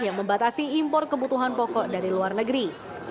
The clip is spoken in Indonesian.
yang membatasi impor kebutuhan pokok dari luar negeri